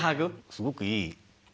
すごくいい。